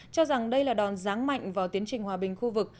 cho rằng đây là đòn ráng mạnh vào tiến trình hòa bình khu vực